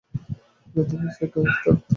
আগে তোমার সেটা থাকতে হবে তো?